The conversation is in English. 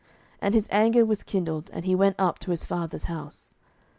And his anger was kindled, and he went up to his father's house.